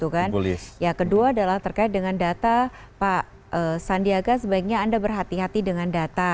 yang kedua adalah terkait dengan data pak sandiaga sebaiknya anda berhati hati dengan data